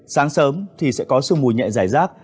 sáng sớm thì sẽ có sương mùi nhẹ dài rác